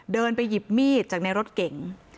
เดินไปหยิบมีดจากในรถเก๋ง